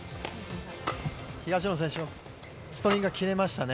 東野選手のストリングが切れましたね。